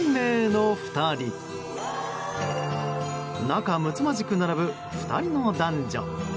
仲むつまじく並ぶ２人の男女。